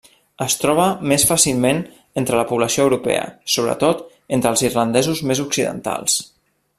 Es troba més fàcilment entre la població europea, sobretot entre els irlandesos més occidentals.